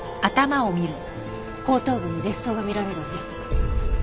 後頭部に裂創が見られるわね。